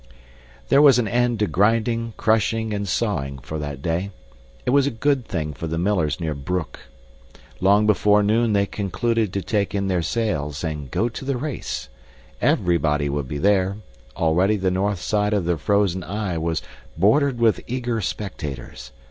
There was an end to grinding, crushing, and sawing for that day. It was a good thing for the millers near Broek. Long before noon they concluded to take in their sails and go to the race. Everybody would be there already the north side of the frozen Y was bordered with eager spectators.